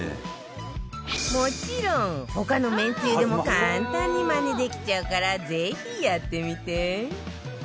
もちろん他のめんつゆでも簡単にマネできちゃうからぜひやってみて